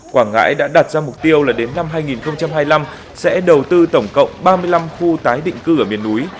quảng ngãi đã đặt ra mục tiêu là đến năm hai nghìn hai mươi năm sẽ đầu tư tổng cộng ba mươi năm khu tái định cư ở miền núi